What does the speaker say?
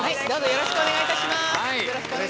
よろしくお願いします。